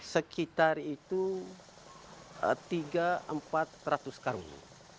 sekitar itu tiga empat ratus karung